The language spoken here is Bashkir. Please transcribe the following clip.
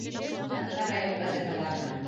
Хатта район газеталарына...